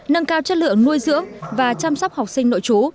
nâng cao chất lượng nuôi dưỡng và chăm sóc học sinh nội chú